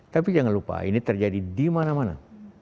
tapi jangan lupa ini terjadi di mana mana